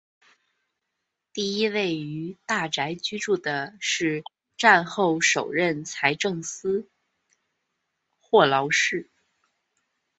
第一位于大宅居住的是战后首任财政司霍劳士。